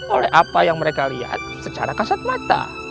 oleh apa yang mereka lihat secara kasat mata